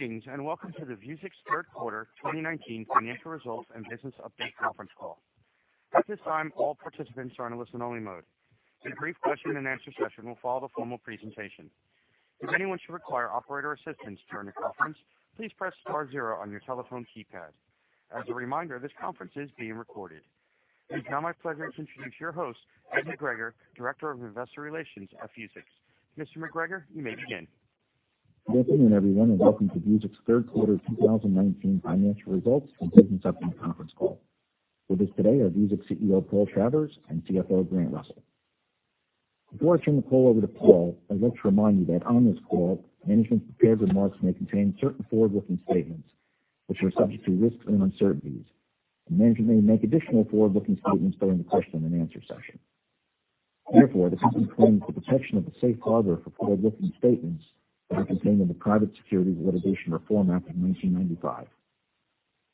Greetings, welcome to the Vuzix third quarter 2019 financial results and business update conference call. At this time, all participants are in a listen-only mode. A brief question and answer session will follow the formal presentation. If anyone should require operator assistance during the conference, please press star zero on your telephone keypad. As a reminder, this conference is being recorded. It is now my pleasure to introduce your host, Ed McGregor, Director of Investor Relations at Vuzix. Mr. McGregor, you may begin. Good evening, everyone, and welcome to Vuzix third quarter 2019 financial results and business update conference call. With us today are Vuzix CEO, Paul Travers, and CFO, Grant Russell. Before I turn the call over to Paul, I'd like to remind you that on this call, management's prepared remarks may contain certain forward-looking statements which are subject to risks and uncertainties. Management may make additional forward-looking statements during the question and answer session. Therefore, the company claims the protection of the safe harbor for forward-looking statements that are contained in the Private Securities Litigation Reform Act of 1995.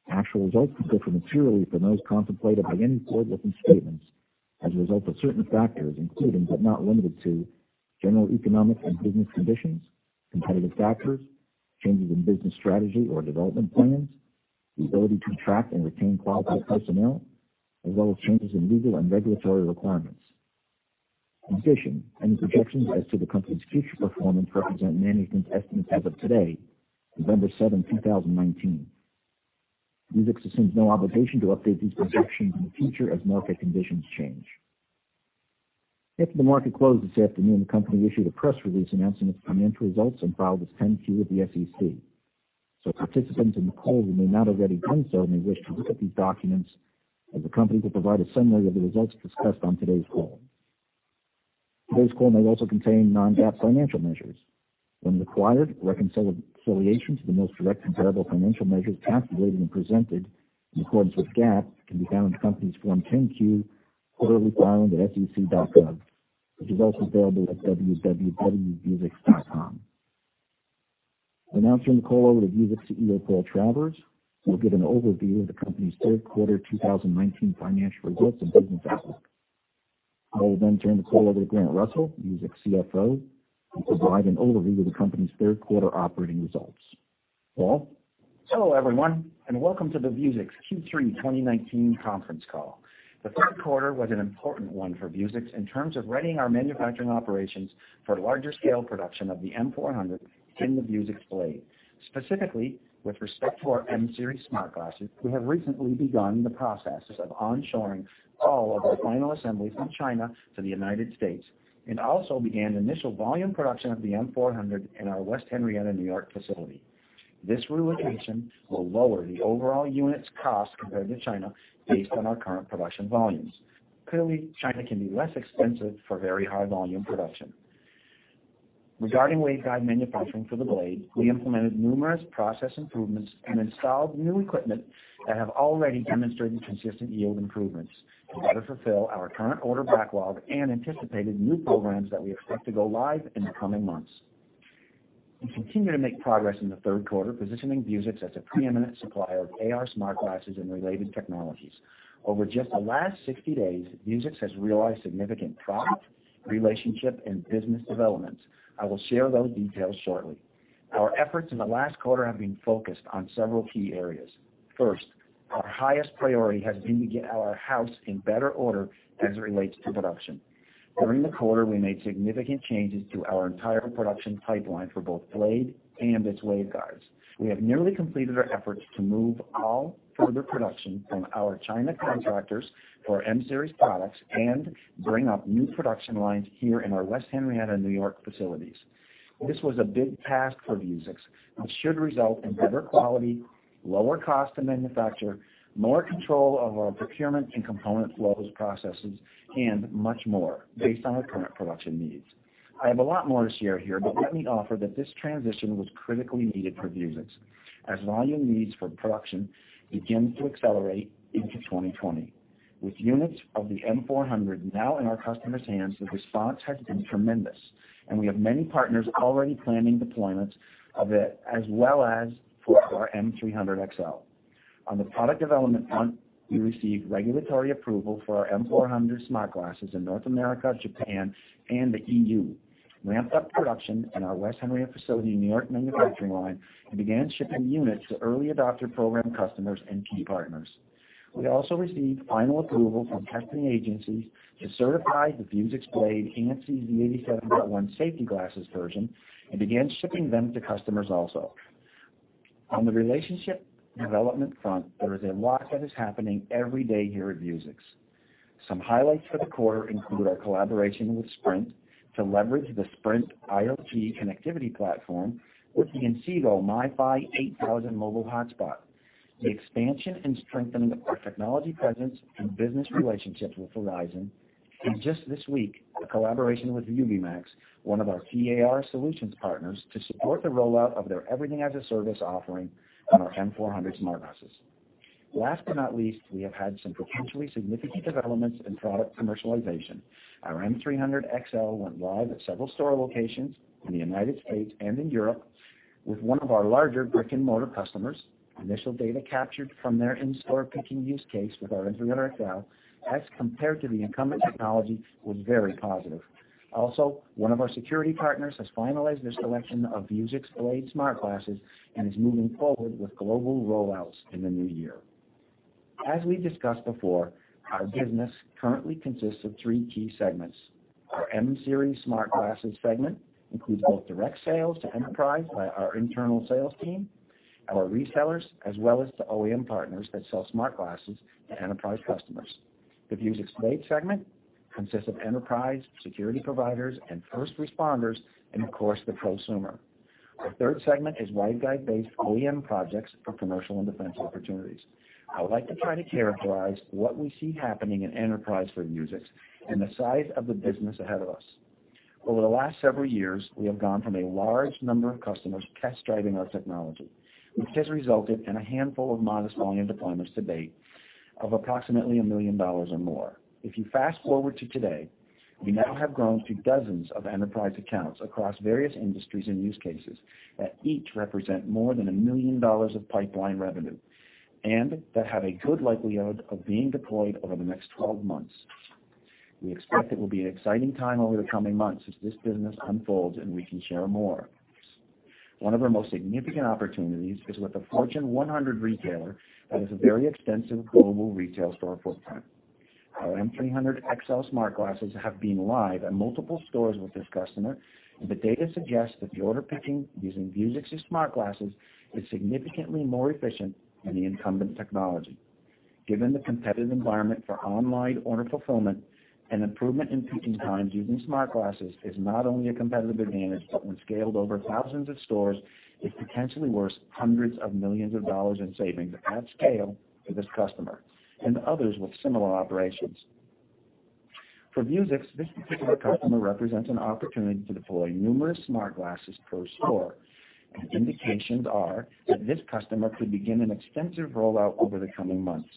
Actual results could differ materially from those contemplated by any forward-looking statements as a result of certain factors, including, but not limited to general economic and business conditions, competitive factors, changes in business strategy or development plans, the ability to attract and retain qualified personnel, as well as changes in legal and regulatory requirements. In addition, any projections as to the company's future performance represent management's estimates as of today, November 7, 2019. Vuzix assumes no obligation to update these projections in the future as market conditions change. After the market closed this afternoon, the company issued a press release announcing its financial results and filed its 10-Q with the SEC. Participants in the call who may not already done so may wish to look at these documents as the company will provide a summary of the results discussed on today's call. Today's call may also contain non-GAAP financial measures. When required, reconciliation to the most direct comparable financial measures calculated and presented in accordance with GAAP can be found in the company's Form 10-Q quarterly filed at sec.gov, which is also available at www.vuzix.com. I now turn the call over to Vuzix CEO, Paul Travers, who will give an overview of the company's third quarter 2019 financial results and business outlook. I will then turn the call over to Grant Russell, Vuzix CFO, who will provide an overview of the company's third quarter operating results. Paul? Hello, everyone, and welcome to the Vuzix Q3 2019 conference call. The third quarter was an important one for Vuzix in terms of readying our manufacturing operations for larger scale production of the M400 and the Vuzix Blade. Specifically, with respect to our M-Series smart glasses, we have recently begun the processes of onshoring all of our final assembly from China to the U.S. and also began initial volume production of the M400 in our West Henrietta, N.Y. facility. This relocation will lower the overall unit's cost compared to China based on our current production volumes. Clearly, China can be less expensive for very high volume production. Regarding waveguide manufacturing for the Blade, we implemented numerous process improvements and installed new equipment that have already demonstrated consistent yield improvements to better fulfill our current order backlog and anticipated new programs that we expect to go live in the coming months. We continue to make progress in the third quarter, positioning Vuzix as a preeminent supplier of AR smart glasses and related technologies. Over just the last 60 days, Vuzix has realized significant product, relationship, and business developments. I will share those details shortly. Our efforts in the last quarter have been focused on several key areas. First, our highest priority has been to get our house in better order as it relates to production. During the quarter, we made significant changes to our entire production pipeline for both Blade and its waveguides. We have nearly completed our efforts to move all further production from our China contractors for our M-Series products and bring up new production lines here in our West Henrietta, N.Y. facilities. This was a big task for Vuzix and should result in better quality, lower cost to manufacture, more control of our procurement and component flows processes, and much more based on our current production needs. I have a lot more to share here, but let me offer that this transition was critically needed for Vuzix as volume needs for production begins to accelerate into 2020. With units of the M400 now in our customers' hands, the response has been tremendous, and we have many partners already planning deployments of it, as well as for our M300XL. On the product development front, we received regulatory approval for our M400 smart glasses in North America, Japan, and the EU, ramped up production in our West Henrietta facility in New York manufacturing line, and began shipping units to early adopter program customers and key partners. We also received final approval from testing agencies to certify the Vuzix Blade ANSI Z87.1 safety glasses version and began shipping them to customers also. On the relationship development front, there is a lot that is happening every day here at Vuzix. Some highlights for the quarter include our collaboration with Sprint to leverage the Sprint IoT connectivity platform with the Inseego MiFi 8000 mobile hotspot, the expansion and strengthening of our technology presence and business relationships with Verizon, and just this week, a collaboration with Ubimax, one of our TAR solutions partners, to support the rollout of their everything as a service offering on our M400 smart glasses. Last but not least, we have had some potentially significant developments in product commercialization. Our M300XL went live at several store locations in the U.S. and in Europe with one of our larger brick and mortar customers. Initial data captured from their in-store picking use case with our M300XL as compared to the incumbent technology was very positive. One of our security partners has finalized their selection of Vuzix Blade smart glasses and is moving forward with global rollouts in the new year. As we discussed before, our business currently consists of three key segments. Our M-Series Smart Glasses segment includes both direct sales to enterprise by our internal sales team, our resellers, as well as to OEM partners that sell smart glasses to enterprise customers. The Vuzix Blade segment consists of enterprise security providers and first responders, and of course, the prosumer. The third segment is waveguide-based OEM projects for commercial and defense opportunities. I would like to try to characterize what we see happening in enterprise for Vuzix and the size of the business ahead of us. Over the last several years, we have gone from a large number of customers test driving our technology, which has resulted in a handful of modest volume deployments to date of approximately $1 million or more. If you fast-forward to today, we now have grown to dozens of enterprise accounts across various industries and use cases that each represent more than $1 million of pipeline revenue, and that have a good likelihood of being deployed over the next 12 months. We expect it will be an exciting time over the coming months as this business unfolds and we can share more. One of our most significant opportunities is with a Fortune 100 retailer that has a very extensive global retail storefront. Our M300XL smart glasses have been live at multiple stores with this customer, and the data suggests that the order picking using Vuzix's smart glasses is significantly more efficient than the incumbent technology. Given the competitive environment for online order fulfillment, an improvement in picking times using smart glasses is not only a competitive advantage, but when scaled over thousands of stores, is potentially worth hundreds of millions of dollars in savings at scale for this customer and others with similar operations. For Vuzix, this particular customer represents an opportunity to deploy numerous smart glasses per store, and indications are that this customer could begin an extensive rollout over the coming months.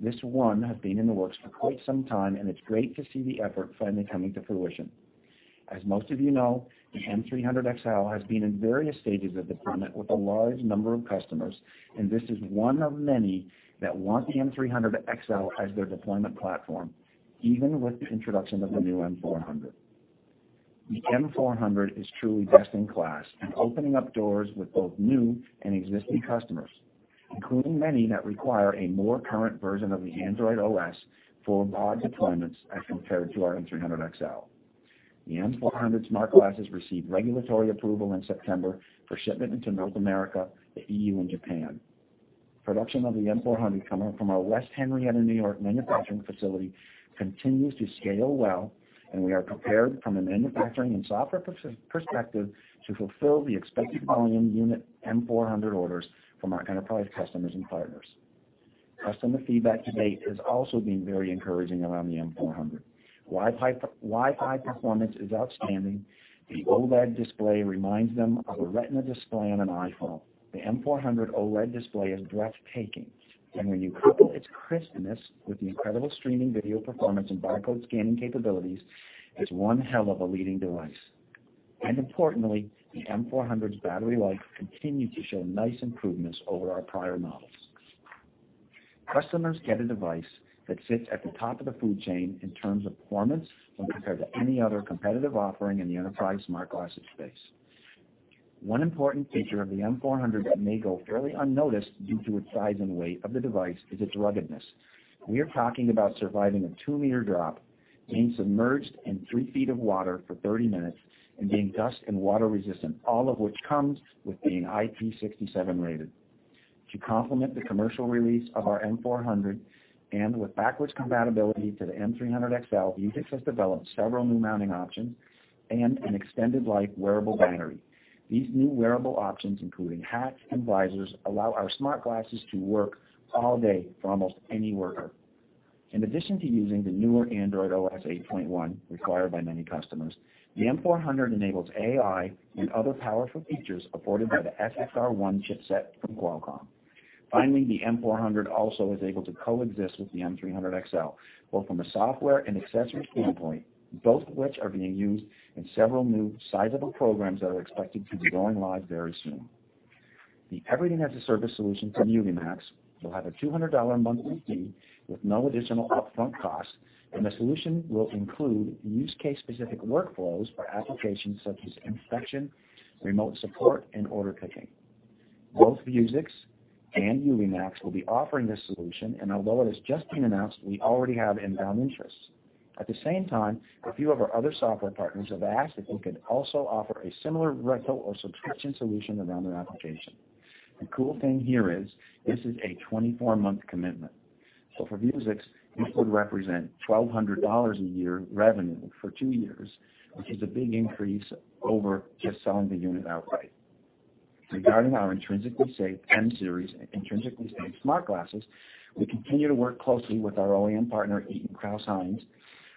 This one has been in the works for quite some time, and it's great to see the effort finally coming to fruition. As most of you know, the M300XL has been in various stages of deployment with a large number of customers, and this is one of many that want the M300XL as their deployment platform, even with the introduction of the new M400. The M400 is truly best in class and opening up doors with both new and existing customers, including many that require a more current version of the Android OS for POD deployments as compared to our M300XL. The M400 smart glasses received regulatory approval in September for shipment into North America, the EU, and Japan. Production of the M400 coming from our West Henrietta, New York manufacturing facility continues to scale well, and we are prepared from a manufacturing and software perspective to fulfill the expected volume unit M400 orders from our enterprise customers and partners. Customer feedback to date has also been very encouraging around the M400. Wi-Fi performance is outstanding. The OLED display reminds them of a retina display on an iPhone. The M400 OLED display is breathtaking. When you couple its crispness with the incredible streaming video performance and barcode scanning capabilities, it's one hell of a leading device. Importantly, the M400's battery life continues to show nice improvements over our prior models. Customers get a device that sits at the top of the food chain in terms of performance when compared to any other competitive offering in the enterprise smart glasses space. One important feature of the M400 that may go fairly unnoticed due to its size and weight of the device is its ruggedness. We are talking about surviving a two-meter drop, being submerged in three feet of water for 30 minutes, and being dust and water resistant, all of which comes with being IP67 rated. To complement the commercial release of our M400 and with backwards compatibility to the M300XL, Vuzix has developed several new mounting options and an extended life wearable battery. These new wearable options, including hats and visors, allow our smart glasses to work all day for almost any worker. In addition to using the newer Android OS 8.1 required by many customers, the M400 enables AI and other powerful features afforded by the XR1 chipset from Qualcomm. Finally, the M400 also is able to coexist with the M300XL, both from a software and accessories standpoint, both of which are being used in several new sizable programs that are expected to be going live very soon. The Everything as a Service solution from Ubimax will have a $200 monthly fee with no additional upfront costs. The solution will include use case specific workflows for applications such as inspection, remote support, and order picking. Both Vuzix and Ubimax will be offering this solution. Although it has just been announced, we already have inbound interests. At the same time, a few of our other software partners have asked if we could also offer a similar rental or subscription solution around their application. The cool thing here is this is a 24-month commitment. For Vuzix, this would represent $1,200 a year revenue for two years, which is a big increase over just selling the unit outright. Regarding our intrinsically safe M-Series intrinsically safe smart glasses, we continue to work closely with our OEM partner, Eaton Crouse-Hinds,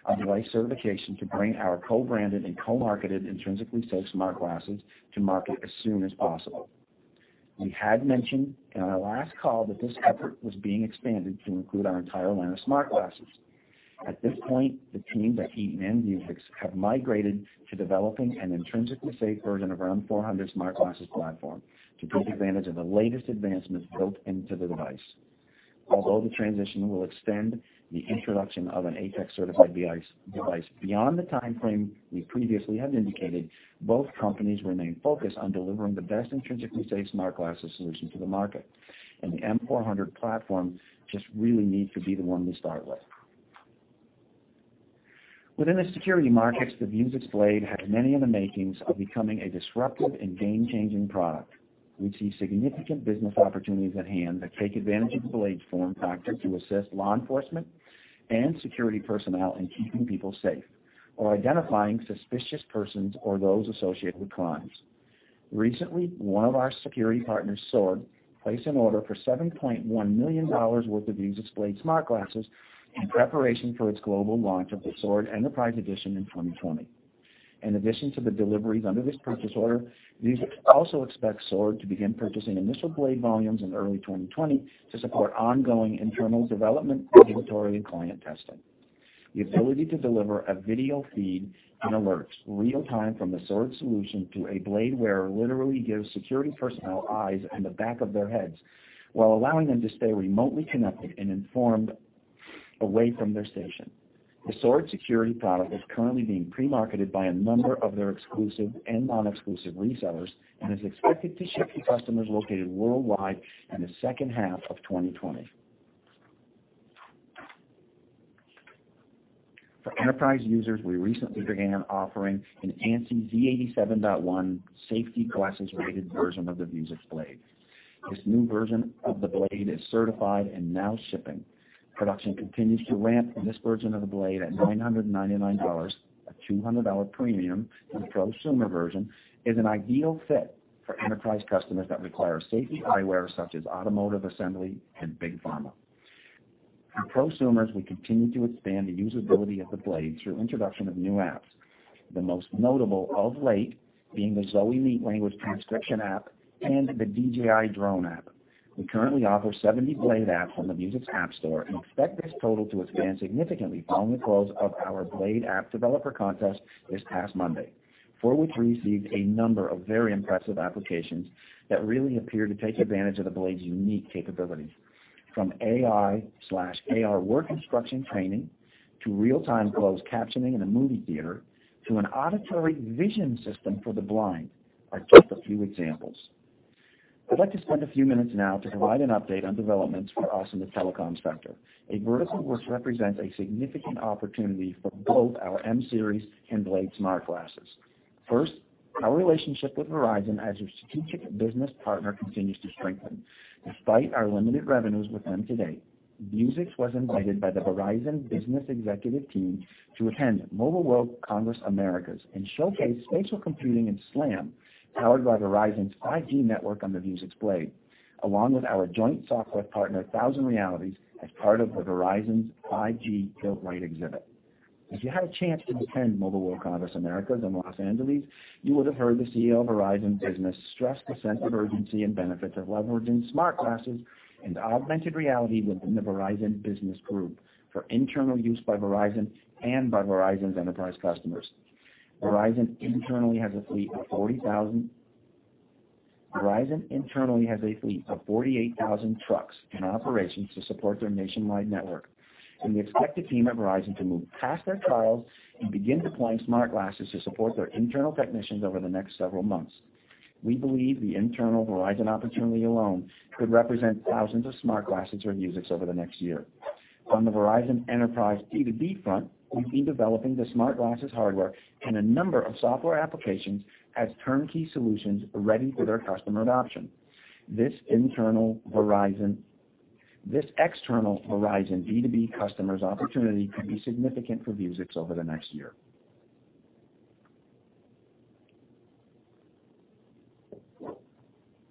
on device certification to bring our co-branded and co-marketed intrinsically safe smart glasses to market as soon as possible. We had mentioned in our last call that this effort was being expanded to include our entire line of smart glasses. At this point, the teams at Eaton and Vuzix have migrated to developing an intrinsically safe version of our M400 smart glasses platform to take advantage of the latest advancements built into the device. Although the transition will extend the introduction of an ATEX certified device beyond the timeframe we previously had indicated, both companies remain focused on delivering the best intrinsically safe smart glasses solution to the market, and the M400 platform just really needs to be the one we start with. Within the security markets, the Vuzix Blade has many of the makings of becoming a disruptive and game-changing product. We see significant business opportunities at hand that take advantage of the Blade form factor to assist law enforcement and security personnel in keeping people safe or identifying suspicious persons or those associated with crimes. Recently, one of our security partners, SWORD, placed an order for $7.1 million worth of Vuzix Blade smart glasses in preparation for its global launch of the SWORD Enterprise Edition in 2020. In addition to the deliveries under this purchase order, Vuzix also expects SWORD to begin purchasing initial Blade volumes in early 2020 to support ongoing internal development, regulatory, and client testing. The ability to deliver a video feed and alerts real-time from the SWORD solution to a Blade wearer literally gives security personnel eyes in the back of their heads, while allowing them to stay remotely connected and informed away from their station. The SWORD security product is currently being pre-marketed by a number of their exclusive and non-exclusive resellers and is expected to ship to customers located worldwide in the second half of 2020. For enterprise users, we recently began offering an ANSI Z87.1 safety glasses-rated version of the Vuzix Blade. This new version of the Blade is certified and now shipping. Production continues to ramp, and this version of the Blade at $999, a $200 premium from the prosumer version, is an ideal fit for enterprise customers that require safety eyewear, such as automotive assembly and Big Pharma. For prosumers, we continue to expand the usability of the Blade through introduction of new apps, the most notable of late being the Zowie Language Transcription app and the DJI Drone app. We currently offer 70 Blade apps on the Vuzix app store and expect this total to expand significantly following the close of our Blade App Developer contest this past Monday, for which we received a number of very impressive applications that really appear to take advantage of the Blade's unique capabilities. From AI/AR work instruction training to real-time closed captioning in a movie theater to an auditory vision system for the blind are just a few examples. I'd like to spend a few minutes now to provide an update on developments for us in the telecom sector, a vertical which represents a significant opportunity for both our M-Series and Vuzix Blade smart glasses. First, our relationship with Verizon as your strategic business partner continues to strengthen. Despite our limited revenues with them to date, Vuzix was invited by the Verizon Business executive team to attend Mobile World Congress Americas and showcase spatial computing and SLAM powered by Verizon's 5G network on the Vuzix Blade, along with our joint software partner, 1000 realities, as part of Verizon's 5G Build Right exhibit. If you had a chance to attend Mobile World Congress Americas in Los Angeles, you would have heard the CEO of Verizon Business stress the sense of urgency and benefit of leveraging smart glasses and augmented reality within the Verizon business group for internal use by Verizon and by Verizon's enterprise customers. Verizon internally has a fleet of 48,000 trucks and operations to support their nationwide network. We expect the team at Verizon to move past their trials and begin deploying smart glasses to support their internal technicians over the next several months. We believe the internal Verizon opportunity alone could represent thousands of smart glasses for Vuzix over the next year. On the Verizon enterprise B2B front, we've been developing the smart glasses hardware and a number of software applications as turnkey solutions ready for their customer adoption. This external Verizon B2B customer's opportunity could be significant for Vuzix over the next year.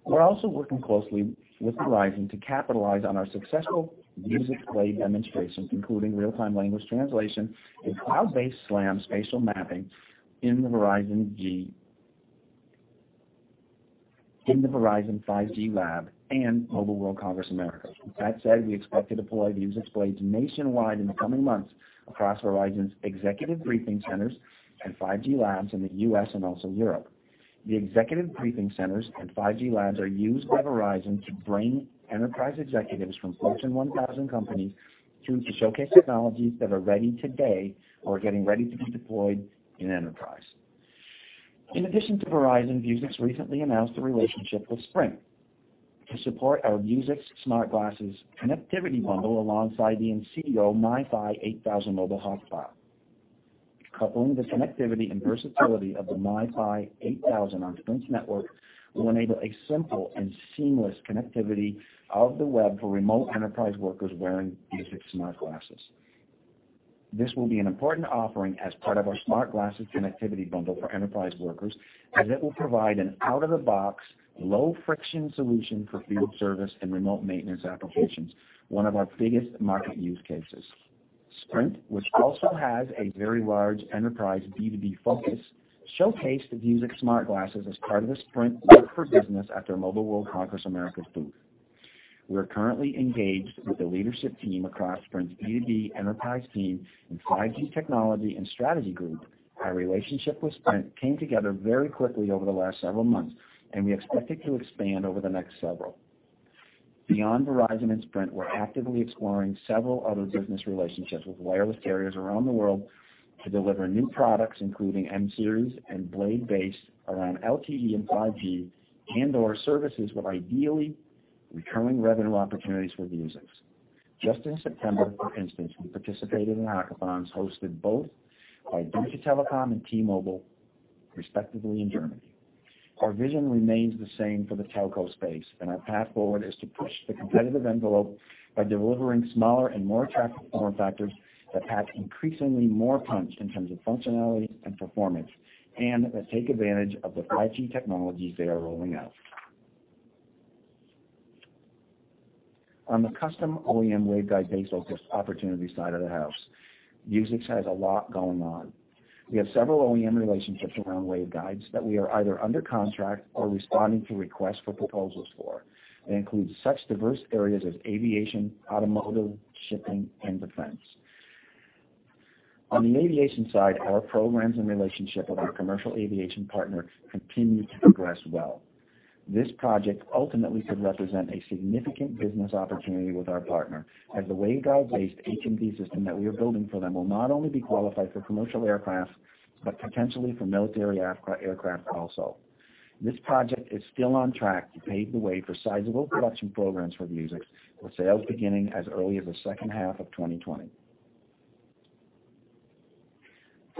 We're also working closely with Verizon to capitalize on our successful Vuzix Blade demonstration, including real-time language translation and cloud-based SLAM spatial mapping in the Verizon 5G lab and Mobile World Congress Americas. With that said, we expect to deploy Vuzix Blades nationwide in the coming months across Verizon's executive briefing centers and 5G labs in the U.S. and also Europe. The executive briefing centers and 5G labs are used by Verizon to bring enterprise executives from Fortune 1000 companies to showcase technologies that are ready today or are getting ready to be deployed in enterprise. In addition to Verizon, Vuzix recently announced a relationship with Sprint to support our Vuzix smart glasses connectivity bundle alongside the Inseego MiFi 8000 mobile hotspot. Coupling the connectivity and versatility of the MiFi 8000 on Sprint's network will enable a simple and seamless connectivity of the web for remote enterprise workers wearing Vuzix smart glasses. This will be an important offering as part of our smart glasses connectivity bundle for enterprise workers, as it will provide an out-of-the-box, low-friction solution for field service and remote maintenance applications, one of our biggest market use cases. Sprint, which also has a very large enterprise B2B focus, showcased the Vuzix smart glasses as part of the Sprint Work for Business at their Mobile World Congress Americas booth. We are currently engaged with the leadership team across Sprint's B2B enterprise team and 5G technology and strategy group. Our relationship with Sprint came together very quickly over the last several months, and we expect it to expand over the next several. Beyond Verizon and Sprint, we're actively exploring several other business relationships with wireless carriers around the world to deliver new products, including M-Series and Blade-based around LTE and 5G and/or services that ideally recurring revenue opportunities for Vuzix. Just in September, for instance, we participated in hackathons hosted both by Deutsche Telekom and T-Mobile, respectively in Germany. Our vision remains the same for the telco space, our path forward is to push the competitive envelope by delivering smaller and more attractive form factors that pack increasingly more punch in terms of functionality and performance, and that take advantage of the 5G technologies they are rolling out. On the custom OEM waveguide-based focus opportunity side of the house, Vuzix has a lot going on. We have several OEM relationships around waveguides that we are either under contract or responding to requests for proposals for, and includes such diverse areas as aviation, automotive, shipping, and defense. On the aviation side, our programs and relationship with our commercial aviation partner continue to progress well. This project ultimately could represent a significant business opportunity with our partner, as the waveguide-based HMD system that we are building for them will not only be qualified for commercial aircraft, but potentially for military aircraft also. This project is still on track to pave the way for sizable production programs for Vuzix, with sales beginning as early as the second half of 2020.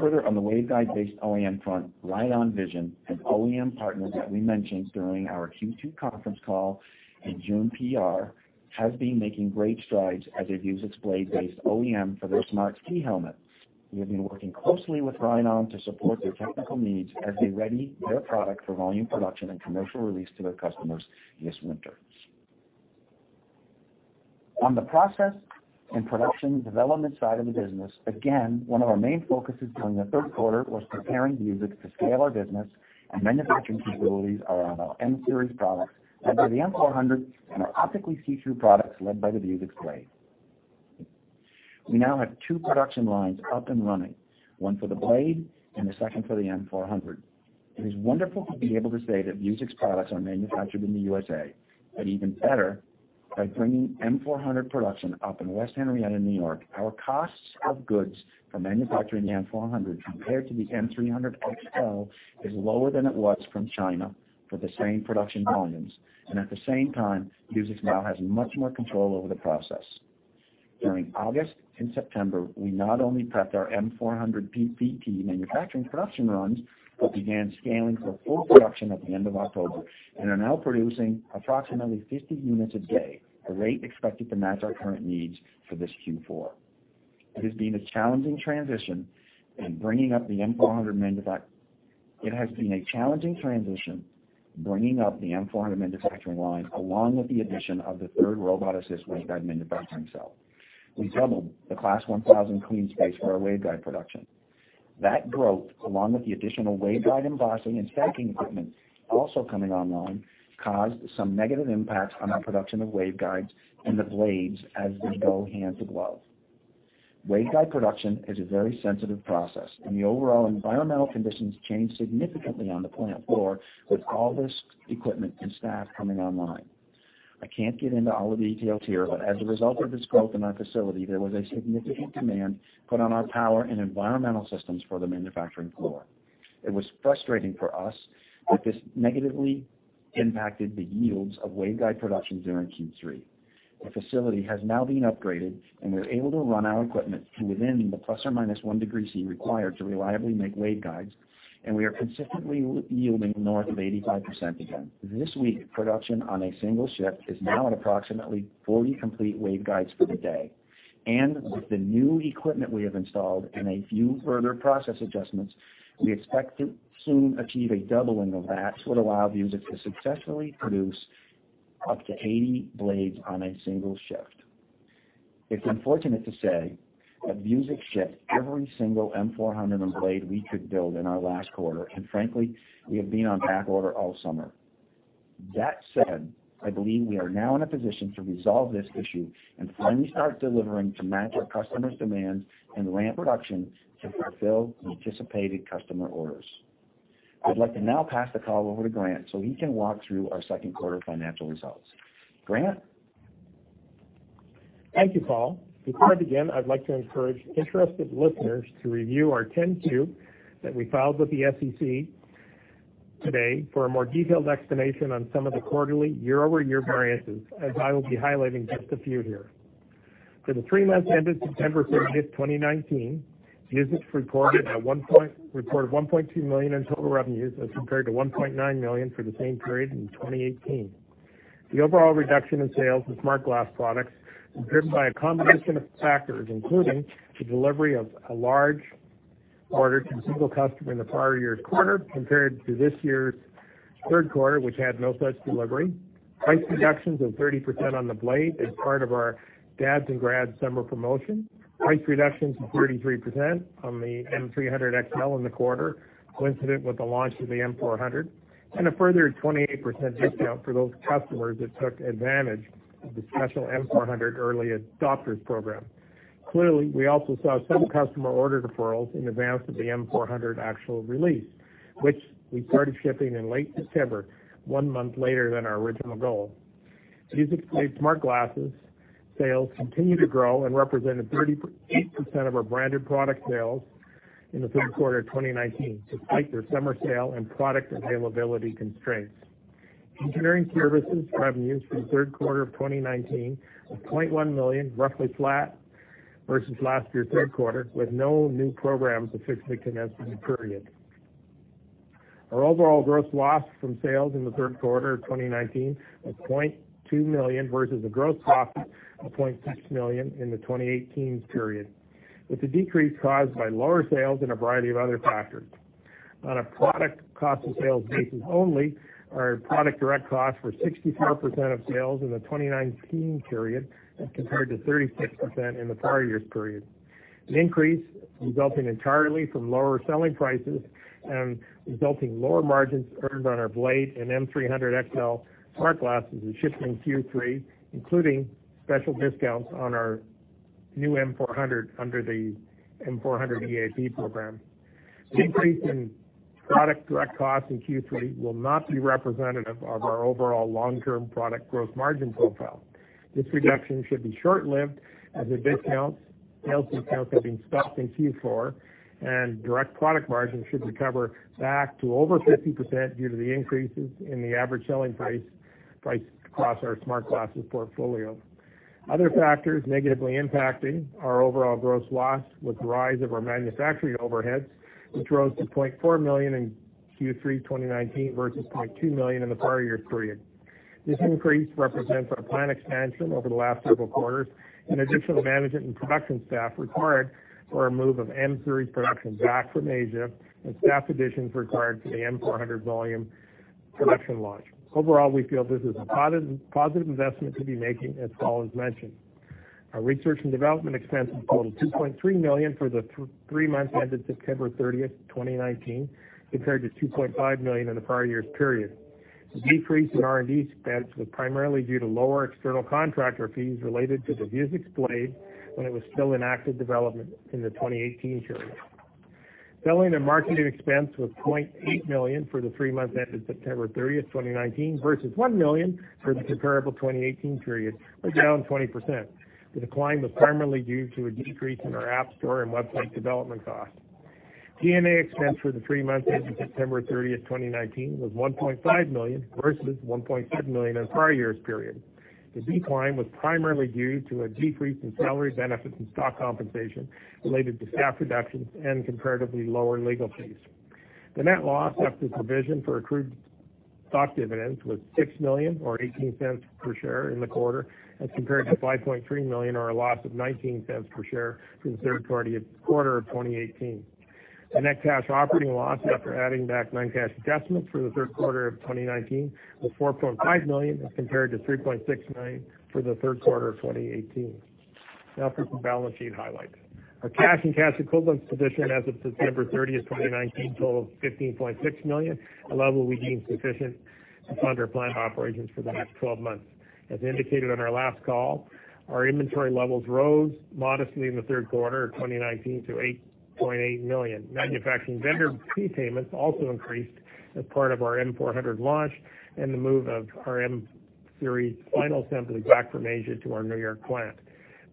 Further on the waveguide-based OEM front, Ryon Vision, an OEM partner that we mentioned during our Q2 conference call in June PR, has been making great strides as a Vuzix Blade-based OEM for their smart ski helmet. We have been working closely with Ryon to support their technical needs as they ready their product for volume production and commercial release to their customers this winter. On the process and production development side of the business, again, one of our main focuses during the third quarter was preparing Vuzix to scale our business and manufacturing capabilities around our M-Series products, led by the M400 and our optically see-through products led by the Vuzix Blade. We now have two production lines up and running, one for the Blade and the second for the M400. It is wonderful to be able to say that Vuzix products are manufactured in the USA, but even better by bringing M400 production up in West Henrietta, N.Y. Our costs of goods for manufacturing the M400 compared to the M300XL is lower than it was from China for the same production volumes, and at the same time, Vuzix now has much more control over the process. During August and September, we not only prepped our M400 PPT manufacturing production runs, but began scaling for full production at the end of October, and are now producing approximately 50 units a day, a rate expected to match our current needs for this Q4. It has been a challenging transition bringing up the M400 manufacturing line, along with the addition of the third robot-assisted waveguide manufacturing cell. We doubled the Class 1,000 clean space for our waveguide production. That growth, along with the additional waveguide embossing and stacking equipment also coming online, caused some negative impacts on our production of waveguides and the Blades as they go hand to glove. Waveguide production is a very sensitive process, and the overall environmental conditions change significantly on the plant floor with all this equipment and staff coming online. I can't get into all the details here, but as a result of this growth in our facility, there was a significant demand put on our power and environmental systems for the manufacturing floor. It was frustrating for us that this negatively impacted the yields of waveguide production during Q3. The facility has now been upgraded, and we're able to run our equipment to within the ±1 degree C required to reliably make waveguides, and we are consistently yielding north of 85% again. This week, production on a single shift is now at approximately 40 complete waveguides for the day. With the new equipment we have installed and a few further process adjustments, we expect to soon achieve a doubling of that, which would allow Vuzix to successfully produce up to 80 Blades on a single shift. It's unfortunate to say that Vuzix shipped every single M400 and Blade we could build in our last quarter, and frankly, we have been on back order all summer. That said, I believe we are now in a position to resolve this issue and finally start delivering to match our customers' demands and ramp production to fulfill anticipated customer orders. I'd like to now pass the call over to Grant so he can walk through our second quarter financial results. Grant? Thank you, Paul. Before I begin, I'd like to encourage interested listeners to review our 10-Q that we filed with the SEC today for a more detailed explanation on some of the quarterly year-over-year variances, as I will be highlighting just a few here. For the three months ended September 30th, 2019, Vuzix reported $1.2 million in total revenues as compared to $1.9 million for the same period in 2018. The overall reduction in sales of smart glass products was driven by a combination of factors, including the delivery of a large order to a single customer in the prior year's quarter, compared to this year's third quarter, which had no such delivery. Price reductions of 30% on the Blade as part of our Dads and Grad summer promotion. Price reductions of 33% on the M300XL in the quarter, coincident with the launch of the M400. A further 28% discount for those customers that took advantage of the special M400 Early Adopters program. Clearly, we also saw some customer order deferrals in advance of the M400 actual release, which we started shipping in late September, one month later than our original goal. Vuzix Blade smart glasses sales continue to grow and represented 38% of our branded product sales in the third quarter of 2019, despite their summer sale and product availability constraints. Engineering services revenues for the third quarter of 2019 was $0.1 million, roughly flat versus last year's third quarter, with no new programs effectively commenced in the period. Our overall gross loss from sales in the third quarter of 2019 was $0.2 million versus a gross profit of $0.6 million in the 2018 period, with the decrease caused by lower sales and a variety of other factors. On a product cost of sales basis only, our product direct costs were 64% of sales in the 2019 period as compared to 36% in the prior year's period. An increase resulting entirely from lower selling prices and resulting lower margins earned on our Blade and M300XL smart glasses in shipping Q3, including special discounts on our new M400 under the M400 EAP program. The increase in product direct costs in Q3 will not be representative of our overall long-term product gross margin profile. This reduction should be short-lived as the sales discounts have been stopped in Q4, and direct product margins should recover back to over 50% due to the increases in the average selling price across our smart glasses portfolio. Other factors negatively impacting our overall gross loss was the rise of our manufacturing overheads, which rose to $0.4 million in Q3 2019 versus $0.2 million in the prior year's period. This increase represents our plant expansion over the last several quarters and additional management and production staff required for our move of M300 production back from Asia and staff additions required for the M400 volume production launch. Overall, we feel this is a positive investment to be making as Paul has mentioned. Our research and development expenses totaled $2.3 million for the three months ended September 30th, 2019, compared to $2.5 million in the prior year's period. The decrease in R&D spends was primarily due to lower external contractor fees related to the Vuzix Blade when it was still in active development in the 2018 period. Selling and marketing expense was $0.8 million for the three months ended September 30th, 2019 versus $1 million for the comparable 2018 period, or down 20%. The decline was primarily due to a decrease in our App Store and website development cost. G&A expense for the three months ended September 30th, 2019 was $1.5 million, versus $1.7 million in the prior year's period. The decline was primarily due to a decrease in salary benefits and stock compensation related to staff reductions and comparatively lower legal fees. The net loss after provision for accrued stock dividends was $6 million or $0.18 per share in the quarter as compared to $5.3 million or a loss of $0.19 per share in the third quarter of 2018. The net cash operating loss after adding back non-cash adjustments for the third quarter of 2019 was $4.5 million as compared to $3.6 million for the third quarter of 2018. Now for some balance sheet highlights. Our cash and cash equivalents position as of September 30th, 2019, totaled $15.6 million, a level we deem sufficient to fund our planned operations for the next 12 months. As indicated on our last call, our inventory levels rose modestly in the third quarter of 2019 to $8.8 million. Manufacturing vendor prepayments also increased as part of our M400 launch and the move of our M3 final assembly back from Asia to our New York plant.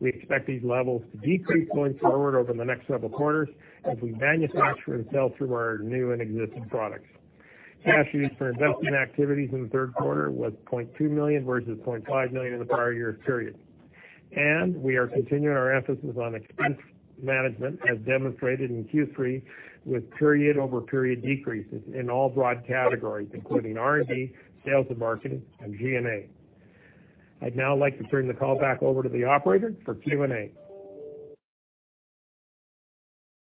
We expect these levels to decrease going forward over the next several quarters as we manufacture and sell through our new and existing products. Cash used for investment activities in the third quarter was $0.2 million, versus $0.5 million in the prior year's period. We are continuing our emphasis on expense management as demonstrated in Q3, with period-over-period decreases in all broad categories, including R&D, sales and marketing, and G&A. I'd now like to turn the call back over to the operator for Q&A.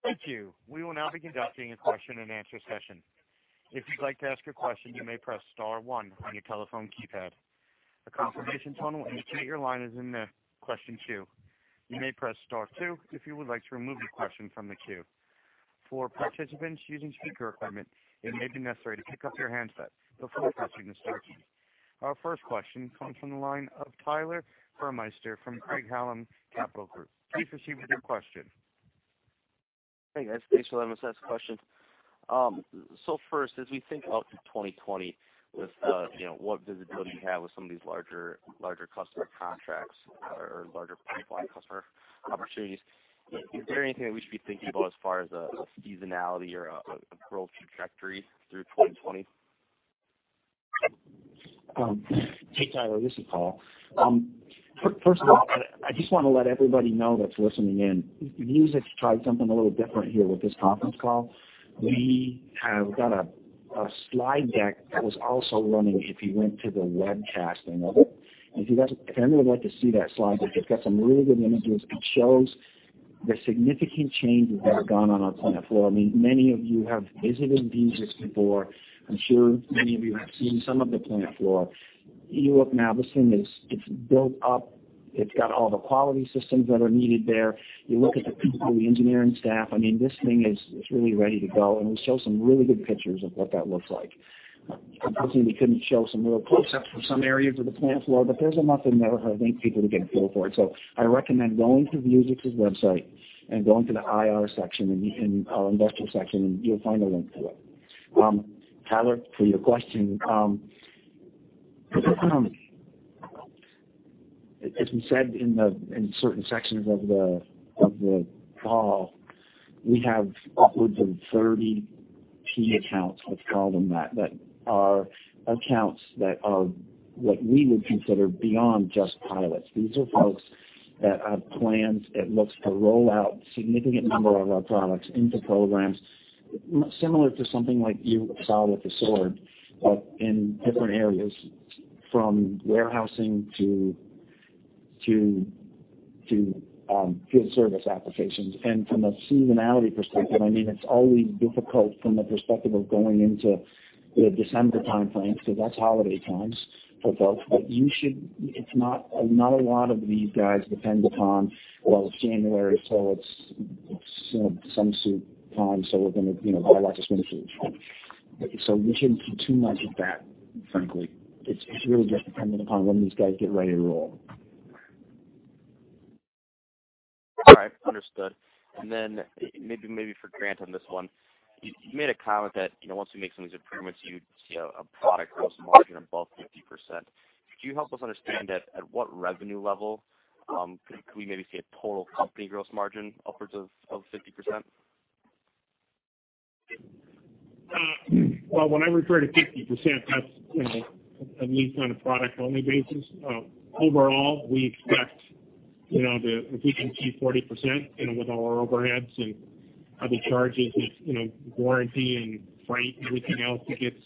Thank you. We will now be conducting a question-and-answer session. If you'd like to ask a question, you may press star one on your telephone keypad. A confirmation tone will indicate your line is in the question queue. You may press star two if you would like to remove your question from the queue. For participants using speakerphone, it may be necessary to pick up your handset before pressing star one. Our first question comes from the line of Tyler Burmeister from Craig-Hallum Capital Group. Please proceed with your question. Hey, guys. Thanks for letting us ask questions. First, as we think out to 2020 with what visibility you have with some of these larger customer contracts or larger pipeline customer opportunities, is there anything that we should be thinking about as far as a seasonality or a growth trajectory through 2020? Hey, Tyler, this is Paul. First of all, I just want to let everybody know that's listening in, Vuzix tried something a little different here with this conference call. We have got a slide deck that was also running if you went to the webcast and all that. If anybody would like to see that slide deck, it's got some really good images. It shows the significant changes that have gone on our plant floor. Many of you have visited Vuzix before. I'm sure many of you have seen some of the plant floor. You look now, this thing is built up. It's got all the quality systems that are needed there. You look at the people, the engineering staff, this thing is really ready to go, and we show some really good pictures of what that looks like. Unfortunately, we couldn't show some real close-ups of some areas of the plant floor, but there's enough in there, I think, people to get a feel for it. I recommend going to Vuzix's website and going to the IR section in our investor section, and you'll find a link to it. Tyler, for your question. As we said in certain sections of the call, we have upwards of 30 key accounts, let's call them that are accounts that are what we would consider beyond just pilots. These are folks that have plans that look to roll out a significant number of our products into programs, similar to something like you saw with Asure but in different areas, from warehousing to field service applications. From a seasonality perspective, it's always difficult from the perspective of going into the December timeframe, because that's holiday times for folks. Not a lot of these guys depend upon, "Well, it's January, so it's swimsuit time, so we're going to buy lots of swimming pools." We shouldn't read too much into that, frankly. It really just depended upon when these guys get ready to roll. All right. Understood. Then maybe for Grant on this one. You made a comment that once we make some of these improvements, you'd see a product gross margin above 50%. Could you help us understand at what revenue level could we maybe see a total company gross margin upwards of 50%? Well, when I refer to 50%, that's at least on a product-only basis. Overall, we expect if we can keep 40% with all our overheads and other charges with warranty and freight and everything else that gets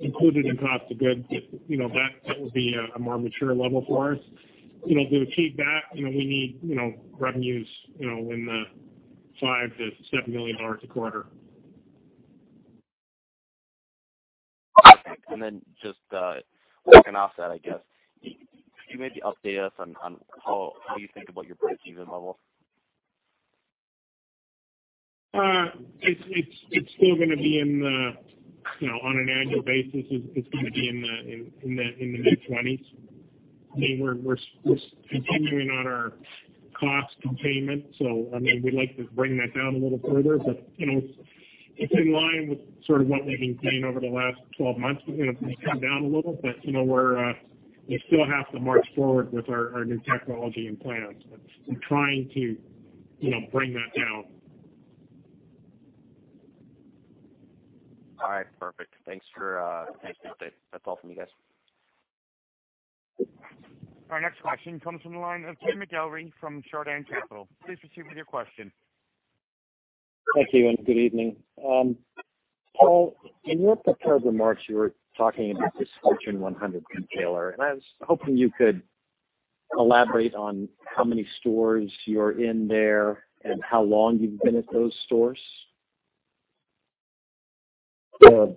included in cost of goods, that would be a more mature level for us. To achieve that, we need revenues in the $5 million-$7 million a quarter. Okay. Just working off that, I guess, could you maybe update us on how you think about your breakeven level? It's still going to be, on an annual basis, it's going to be in the mid-20s. We're continuing on our cost containment. We'd like to bring that down a little further. It's in line with sort of what we've been paying over the last 12 months. We've come down a little, but we still have to march forward with our new technology and plans. We're trying to bring that down. All right. Perfect. Thanks for the update. That's all from me, guys. Our next question comes from the line of Jim McIlree from Chardan Capital. Please proceed with your question. Thank you, and good evening. Paul, in your prepared remarks, you were talking about this Fortune 100 retailer, and I was hoping you could elaborate on how many stores you're in there and how long you've been at those stores. The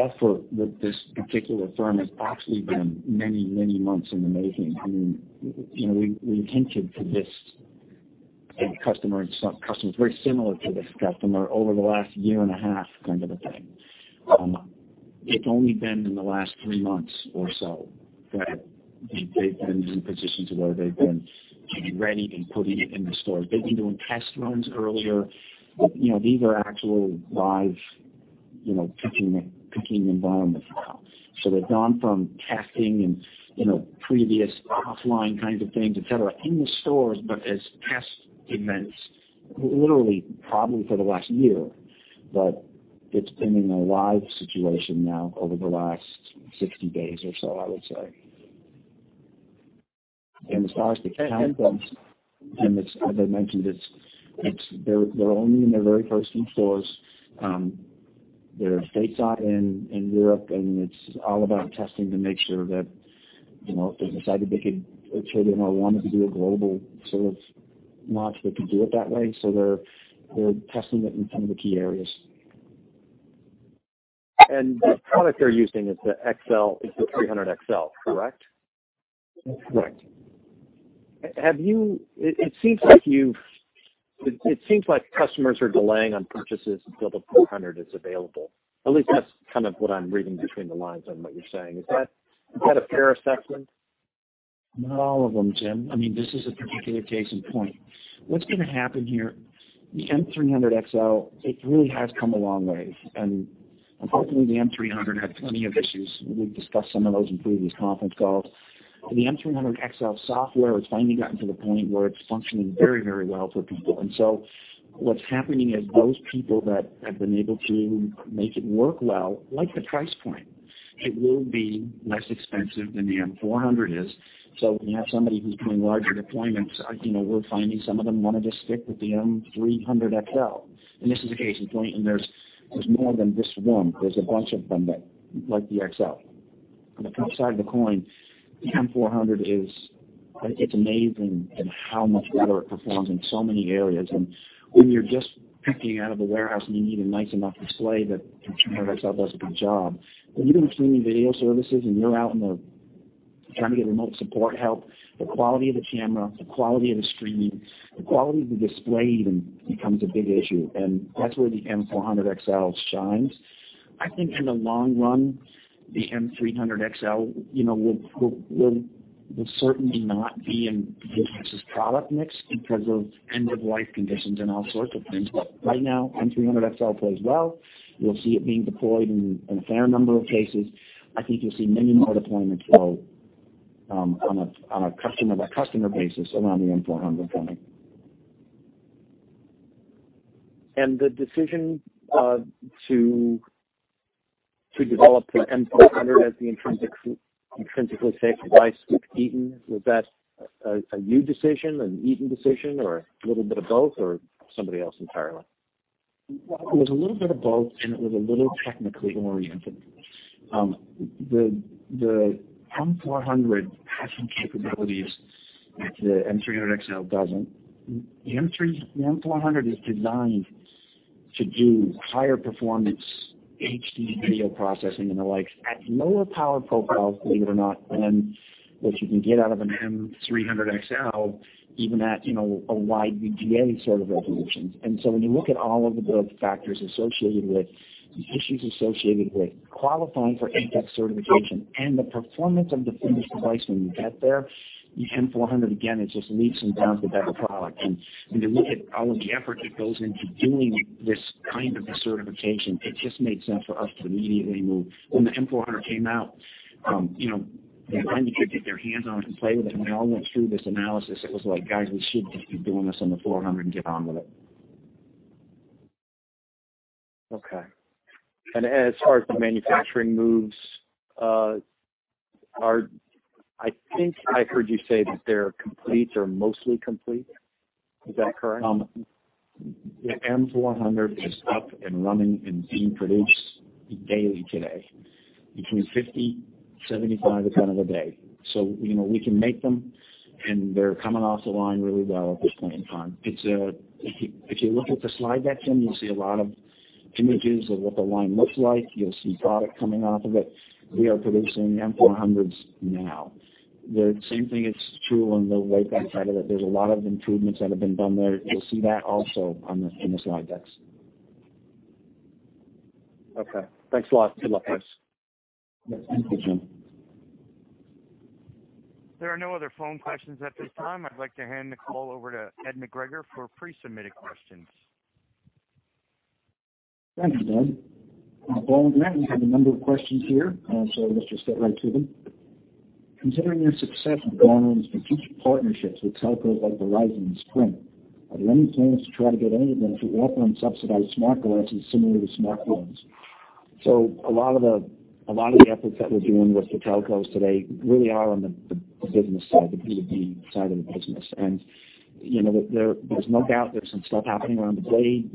effort with this particular firm has actually been many months in the making. We hinted to this customer and some customers very similar to this customer over the last year and a half kind of a thing. It's only been in the last three months or so that they've been in a position to where they've been getting ready and putting it in the stores. They've been doing test runs earlier. These are actual live picking environments now. They've gone from testing and previous offline kinds of things, et cetera, in the stores, but as test events, literally probably for the last year. It's been in a live situation now over the last 60 days or so, I would say. As far as the count goes, as I mentioned, they're only in their very first few stores. They're stateside and in Europe, and it's all about testing to make sure that if they decided they could or wanted to do a global sort of launch, they could do it that way. They're testing it in some of the key areas. The product they're using is the 300XL, correct? That's correct. It seems like customers are delaying on purchases until the 400 is available. At least that's kind of what I'm reading between the lines on what you're saying. Is that a fair assessment? Not all of them, Jim. This is a particular case in point. What's going to happen here, the M300XL, it really has come a long way. Unfortunately, the M300 had plenty of issues. We've discussed some of those in previous conference calls. The M300XL software has finally gotten to the point where it's functioning very well for people. What's happening is those people that have been able to make it work well like the price point. It will be less expensive than the M400 is. When you have somebody who's doing larger deployments, we're finding some of them want to just stick with the M300XL. This is a case in point, and there's more than just one. There's a bunch of them that like the XL. On the flip side of the coin, the M400, it's amazing at how much better it performs in so many areas. When you're just picking out of a warehouse and you need a nice enough display, the M300XL does a good job. When you're doing streaming video services and you're out in, trying to get remote support help, the quality of the camera, the quality of the streaming, the quality of the display even becomes a big issue, and that's where the M400 shines. I think in the long run, the M300XL will certainly not be in Vuzix's product mix because of end-of-life conditions and all sorts of things. Right now, M300XL plays well. You'll see it being deployed in a fair number of cases. I think you'll see many more deployments though on a customer-by-customer basis around the M400 product. The decision to develop the M400 as the intrinsically safe device with Eaton, was that a new decision, an Eaton decision, or a little bit of both, or somebody else entirely? It was a little bit of both, and it was a little technically oriented. The M400 has some capabilities that the M300XL doesn't. The M400 is designed to do higher performance HD video processing and the like at lower power profiles, believe it or not, than what you can get out of an M300XL, even at a wide VGA sort of resolutions. When you look at all of the factors associated with, issues associated with qualifying for ATEX certification and the performance of the finished device when you get there, the M400 again, it just leaps and bounds a better product. When you look at all of the effort that goes into doing this kind of a certification, it just made sense for us to immediately move. When the M400 came out, when R&D could get their hands on it and play with it, and they all went through this analysis, it was like, "Guys, we should just be doing this on the 400 and get on with it. Okay. As far as the manufacturing moves, I think I heard you say that they're complete or mostly complete. Is that correct? The M400 is up and running and being produced daily today, between 50-75 a day. We can make them, and they're coming off the line really well at this point in time. If you look at the slide deck, Jim, you'll see a lot of images of what the line looks like. You'll see product coming off of it. We are producing M400s now. The same thing is true on the right-hand side of it. There's a lot of improvements that have been done there. You'll see that also in the slide decks. Okay. Thanks a lot. Good luck, guys. Yes. Thank you, Jim. There are no other phone questions at this time. I'd like to hand the call over to Ed McGregor for pre-submitted questions. Thanks, Jim. [Bowen], we have a number of questions here. Let's just get right to them. Considering your success with Vuzix's potential partnerships with telcos like Verizon and Sprint, are there any plans to try to get any of them to offer unsubsidized smart glasses similar to smartphones? A lot of the efforts that we're doing with the telcos today really are on the business side, the B2B side of the business. There's no doubt there's some stuff happening around the Blade,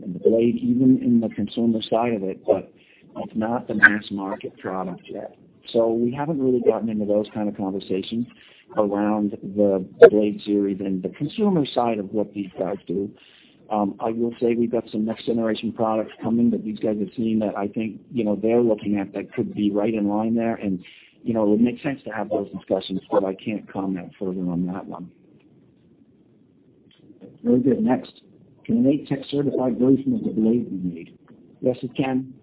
even in the consumer side of it, but it's not the mass market product yet. We haven't really gotten into those kind of conversations around the Blade series and the consumer side of what these guys do. I will say we've got some next generation products coming that these guys have seen that I think they're looking at that could be right in line there, and it would make sense to have those discussions, but I can't comment further on that one. Very good. Next. Can an ATEX-certified version of the Blade be made? Yes, it can.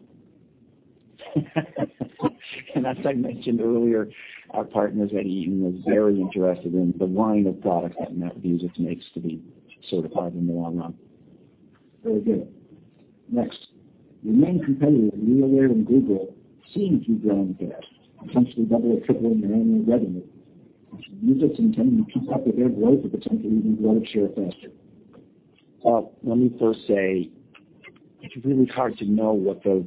As I mentioned earlier, our partners at Eaton are very interested in the line of products that Vuzix makes to be certified in the long run. Very good. Next. Your main competitors, RealWear and Google, seem to be growing fast, potentially double or tripling their annual revenue. Does Vuzix intend to keep up with their growth or potentially even grow its share faster? Let me first say, it's really hard to know what the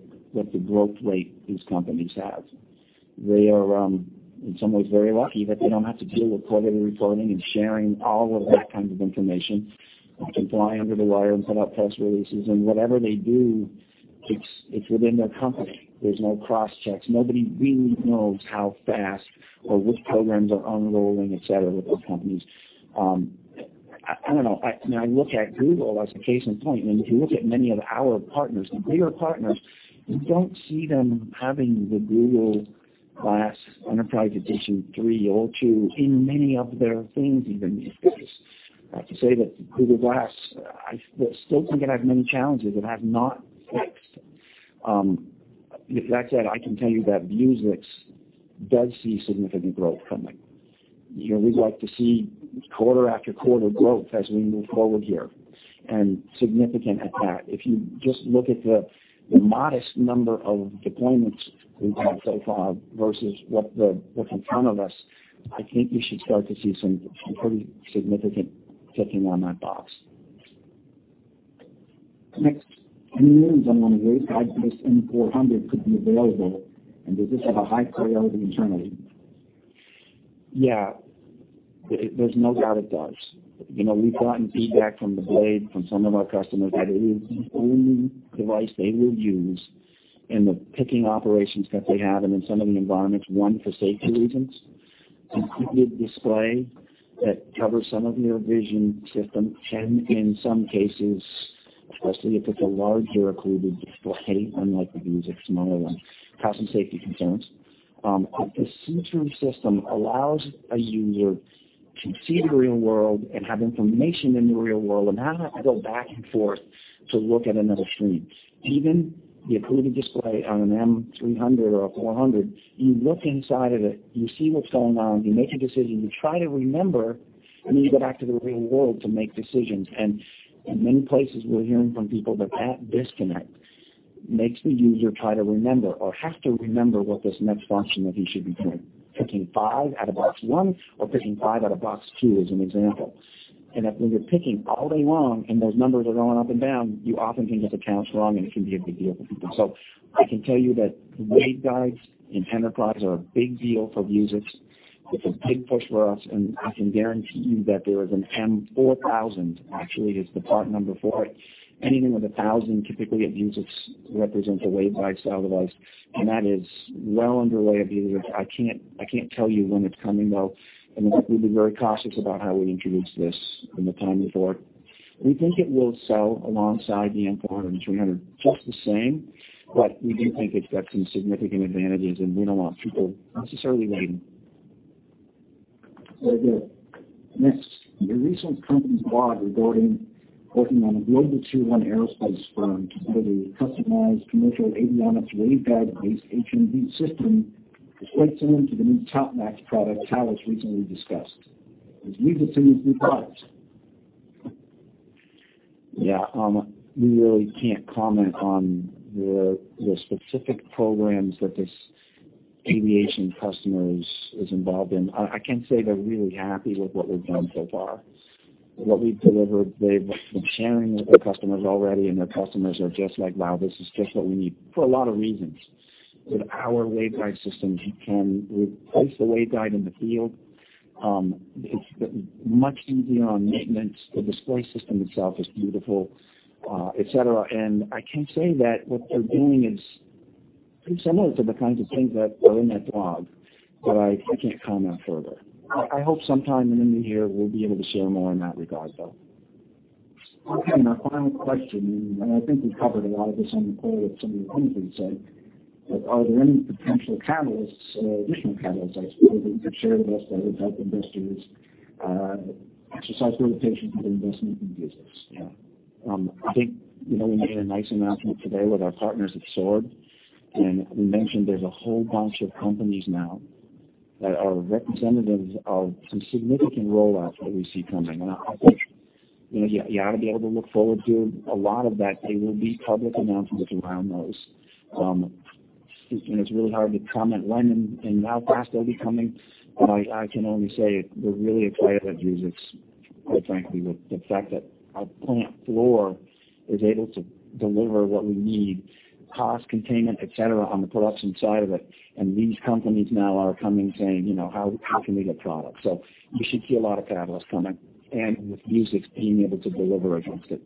growth rate these companies have. They are, in some ways, very lucky that they don't have to deal with quarterly reporting and sharing all of that kind of information. They can fly under the wire and put out press releases, and whatever they do, it's within their company. There's no cross checks. Nobody really knows how fast or which programs are unrolling, et cetera, with those companies. I don't know. I look at Google as a case in point, and if you look at many of our partners, the bigger partners, you don't see them having the Google Glass Enterprise Edition 3 or 2 in many of their things even. I have to say that Google Glass, I still think it has many challenges that have not fixed. With that said, I can tell you that Vuzix does see significant growth coming. We'd like to see quarter after quarter growth as we move forward here, and significant at that. If you just look at the modest number of deployments we've had so far versus what's in front of us, I think you should start to see some pretty significant ticking on that box. Next. Many millions have been raised by the M400 could be available. Does this have a high priority internally? Yeah. There's no doubt it does. We've gotten feedback from the Blade, from some of our customers, that it is the only device they will use in the picking operations that they have and in some of the environments, one, for safety reasons. Occluded display that covers some of your vision system can, in some cases, especially if it's a larger occluded display, unlike the Vuzix smaller one, cause some safety concerns. A see-through system allows a user to see the real world and have information in the real world and not have to go back and forth to look at another screen. Even the occluded display on an M300 or a 400, you look inside of it, you see what's going on, you make a decision, you try to remember when you go back to the real world to make decisions. In many places, we're hearing from people that that disconnect makes the user try to remember or have to remember what this next function that he should be doing. Picking five out of box one or picking five out of box two, as an example. That when you're picking all day long and those numbers are going up and down, you often can get the counts wrong, and it can be a big deal for people. I can tell you that the waveguides in enterprise are a big deal for Vuzix. It's a big push for us, and I can guarantee you that there is an M4000, actually, is the part number for it. Anything with a 1,000 typically at Vuzix represents a waveguide style device, and that is well underway at Vuzix. I can't tell you when it's coming, though. I mean, we've been very cautious about how we introduce this in the time before. We think it will sell alongside the M400-300 just the same, we do think it's got some significant advantages, and we don't want people necessarily waiting. Very good. Your recent company's blog regarding working on a global tier 1 aerospace firm to deliver a customized commercial avionics waveguide-based HMD system is quite similar to the new TopMax product Thales recently discussed. Does Vuzix see these new products? Yeah, we really can't comment on the specific programs that this aviation customer is involved in. I can say they're really happy with what we've done so far. What we've delivered, they've been sharing with their customers already, and their customers are just like, "Wow, this is just what we need," for a lot of reasons. With our waveguide system, you can replace the waveguide in the field. It's much easier on maintenance. The display system itself is beautiful, et cetera. I can say that what they're doing is pretty similar to the kinds of things that are in that blog, but I can't comment further. I hope sometime in the new year, we'll be able to share more in that regard, though. Okay, our final question, I think we've covered a lot of this on the call with some of the things we've said, are there any potential catalysts or additional catalysts, I suppose, you could share with us that would help investors exercise rotation of investment in Vuzix? Yeah. I think we made a nice announcement today with our partners at SWORD. We mentioned there's a whole bunch of companies now that are representatives of some significant roll-outs that we see coming. I think you ought to be able to look forward to a lot of that. There will be public announcements around those. It's really hard to comment when and how fast they'll be coming. I can only say we're really excited at Vuzix, quite frankly, with the fact that our plant floor is able to deliver what we need, cost containment, et cetera, on the production side of it. These companies now are coming, saying, "How can we get product?" You should see a lot of catalysts coming and with Vuzix being able to deliver against it,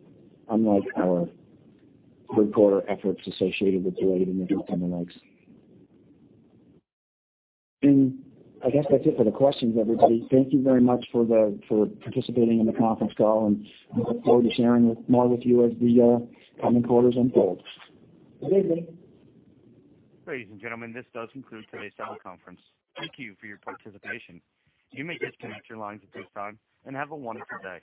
unlike our third quarter efforts associated with Blade and everything coming next. I guess that's it for the questions, everybody. Thank you very much for participating in the conference call. I look forward to sharing more with you as the coming quarters unfold. Very good. Ladies and gentlemen, this does conclude today's teleconference. Thank you for your participation. You may disconnect your lines at this time, and have a wonderful day.